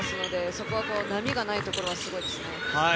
そこの波がないところはすごいですね。